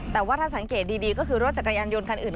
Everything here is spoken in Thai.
แต่ว่าถ้าสังเกตดีก็คือรถจักรยานยนต์คันอื่น